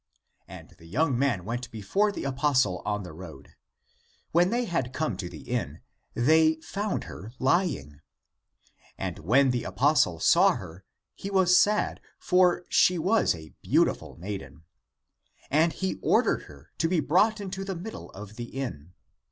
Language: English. And the young man went be 272 THE APOCRYPHAL ACTS fore the apostle on the road. When they had come to the inn, they found her lying. And when the apostle saw her, he was sad, for she was a beautiful maiden. And he ordered her to be brought into the middle of the inn.